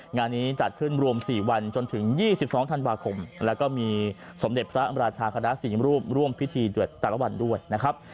งานนี้จัดขึ้นรวม๔วันจนถึง๒๒ธันวาคมแล้วก็มีสมเด็จพระราชาคณะ๔รูปร่วมพิธีด้วยแต่ละวันด้วยนะครับ